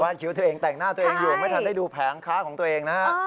คิ้วตัวเองแต่งหน้าตัวเองอยู่ไม่ทันได้ดูแผงค้าของตัวเองนะฮะ